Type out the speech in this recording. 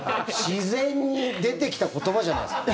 自然に出てきた言葉じゃないですか。